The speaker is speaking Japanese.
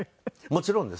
もちろんです。